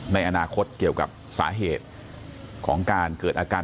ในอนาคตเกี่ยวกับสาเหตุของการเกิดอาการ